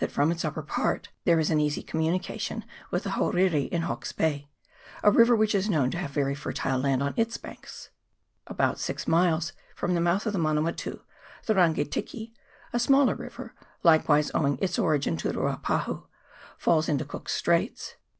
127 from its upper part there is an easy communication with the Hauriri in Hawke's Bay, a river which is known to have very fertile land on its banks. About six miles from the mouth of the Mana watu, the Rangitiki, a smaller river, likewise owing its origin to the Ruapahu, falls into Cook's Straits.